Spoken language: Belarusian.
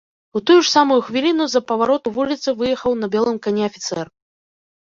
У тую ж самую хвіліну з-за павароту вуліцы выехаў на белым кані афіцэр.